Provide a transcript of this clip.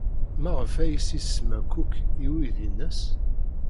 Maɣef ay as-isemma Cook i uydi-nnes?